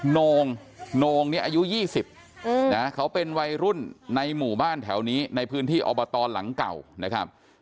โนงเนี่ยอายุ๒๐นะเขาเป็นวัยรุ่นในหมู่บ้านแถวนี้ในพื้นที่อบตหลังเก่านะครับ